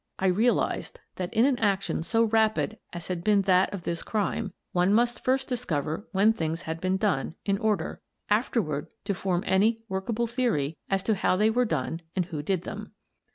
I real ized that in an action so rapid as had been that of this crime, one must first discover when things had been done, in order, afterward, to form any work able theory as to how they were done and who did them.